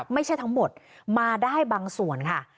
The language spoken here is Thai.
ไม่ใช่ทั้งหมดมาได้บางส่วนค่ะ